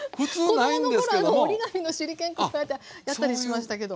子供の頃折り紙の手裏剣やったりしましたけど。